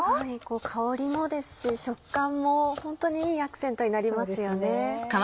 香りもですし食感もホントにいいアクセントになりますよね。